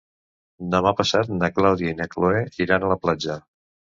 Demà passat na Clàudia i na Cloè iran a la platja.